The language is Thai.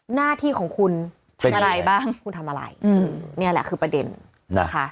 หน้าที่ของคุณทำอะไรบ้างคุณทำอะไรนี่แหละคือประเด็นนะคะ